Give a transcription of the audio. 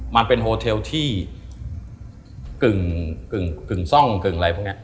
มันเป็นโฮเทลที่กึ่งซ่องกึ่งอะไรพวกนี้